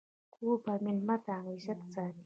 کوربه د مېلمه عزت ساتي.